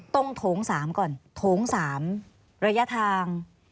ต้องถงสามก่อนถงสามระยะทาง